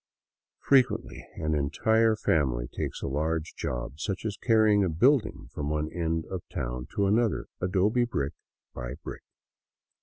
Frequently an entire family takes a large job, such as carrying a building from one end of town to another, adobe brick by brick.